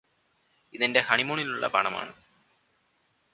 ഇതെന്റെ ഹണിമൂണിനുള്ള പണമാണ്